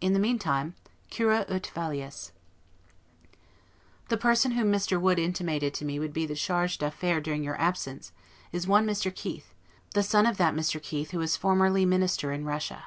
In the meantime, 'Cura ut valeas'. The person whom Mr. Wood intimated to me would be the 'Charge d'Affaires' during your absence, is one Mr. Keith, the son of that Mr. Keith who was formerly Minister in Russia.